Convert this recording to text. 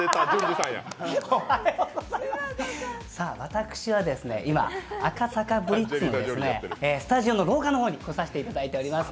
さぁ、私は今、赤坂ＢＬＩＴＺのスタジオの廊下の方に来させてもらっております。